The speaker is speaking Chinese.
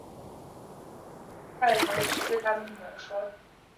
泰德持续对他的儿女说明他是如何遇到他们的母亲。